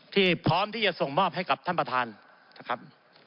พร้อมที่จะส่งมอบให้กับท่านประธานนะครับ